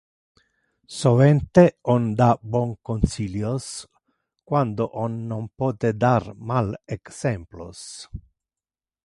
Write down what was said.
Sovente on da bon consilios quando on non pote dar mal exemplos.